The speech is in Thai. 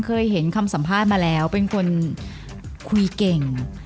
เคยเห็นคำสัมภาษณ์มาแล้วเป็นคนคุยเก่ง